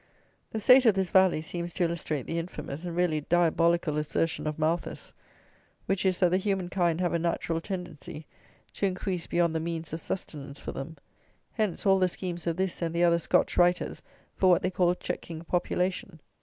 The state of this Valley seems to illustrate the infamous and really diabolical assertion of Malthus, which is, that the human kind have a natural tendency to increase beyond the means of sustenance for them. Hence, all the schemes of this and the other Scotch writers for what they call checking population.